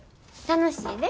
楽しいで。